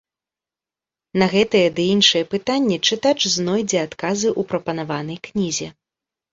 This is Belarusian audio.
На гэтыя ды іншыя пытанні чытач знойдзе адказы ў прапанаванай кнізе.